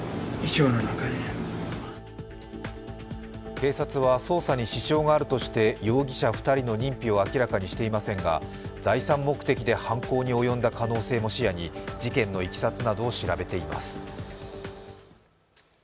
警察は捜査に支障があるとして容疑者２人の認否を明らかにしていませんが財産目的で犯行に及んだ可能性も視野に事件のいきさつなどを調べています。